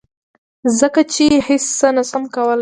ځکه چې هیڅ څه هم نشي کولی